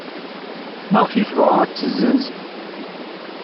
Maɣef ay tebɣa ad tt-tessenz?